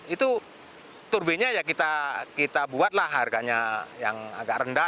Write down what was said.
itu turbinya kita buat lah harganya yang agak rendah